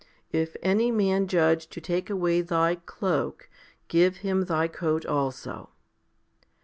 If any man judge to take away thy cloak, give him thy coat also."